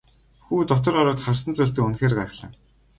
Хүү дотор ороод харсан зүйлдээ үнэхээр гайхлаа.